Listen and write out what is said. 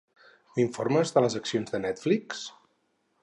M'informes de les accions de Netflix?